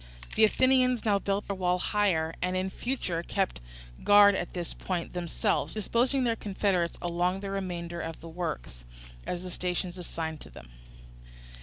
The Athenians now built their wall higher, and in future kept guard at this point themselves, disposing their confederates along the remainder of the works, at the stations assigned to them.